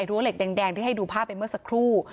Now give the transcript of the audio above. เหล็กแดงที่ให้ดูภาพไปเมื่อสักครู่